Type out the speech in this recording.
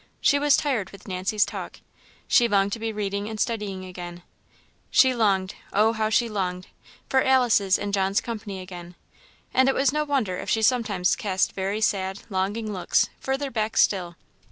She was tired with Nancy's talk; she longed to be reading and studying again; she longed oh! how she longed! for Alice's and John's company again; and it was no wonder if she sometimes cast very sad, longing looks further back still.